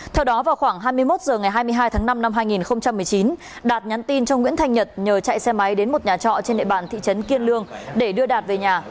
theo đó vào khoảng hai mươi một h ngày hai mươi hai tháng năm năm hai nghìn một mươi chín đạt nhắn tin cho nguyễn thanh nhật nhờ chạy xe máy đến một nhà trọ trên địa bàn thị trấn kiên lương để đưa đạt về nhà